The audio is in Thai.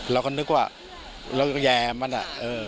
เราก็นึกว่าเราแย่มันอะ